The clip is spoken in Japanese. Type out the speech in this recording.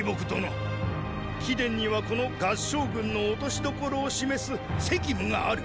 貴殿にはこの合従軍の落とし所を示す“責務”がある。